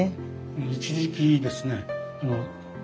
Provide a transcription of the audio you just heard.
一時期ですね娘